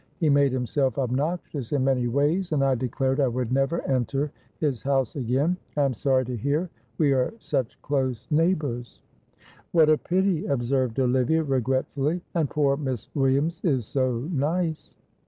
He made himself obnoxious in many ways, and I declared I would never enter his house again. I am sorry to hear we are such close neighbours." "What a pity!" observed Olivia, regretfully. "And poor Miss Williams is so nice."